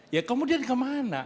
ya kemudian kemana